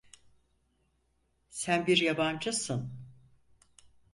Sen bir yabancısın.